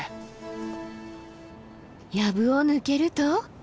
やぶを抜けると。